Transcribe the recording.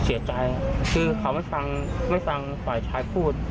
เสียใจคือเขาไม่ฟังไม่ฟังฝ่ายชายพูด